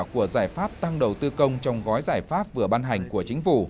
của giải pháp tăng đầu tư công trong gói giải pháp vừa ban hành của chính phủ